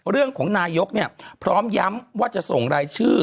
เรื่องของนายกพร้อมย้ำว่าจะส่งรายชื่อ